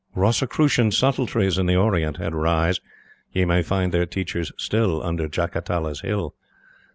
Rosicrucian subtleties In the Orient had rise; Ye may find their teachers still Under Jacatala's Hill.